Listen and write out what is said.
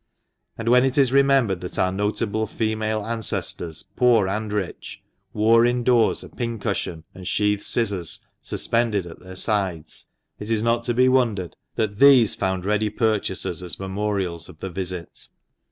And when it is remembered that our notable female ancestors, poor and rich, wore indoors a pincushion and sheathed scissors suspended at their sides, it is not to be wondered that these found ready purchasers as memorials of the visit.